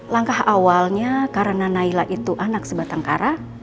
langkah awalnya karena naila itu anak sebatang kara